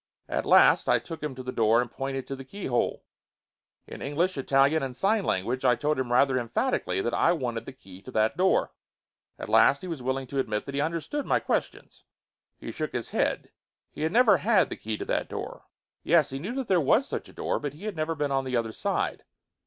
At last, I took him to the door and pointed to the keyhole. In English, Italian and sign language I told him rather emphatically that I wanted the key to that door. At last he was willing to admit that he understood my questions. He shook his head. He had never had the key to that door. Yes, he knew that there was such a door, but he had never been on the other side.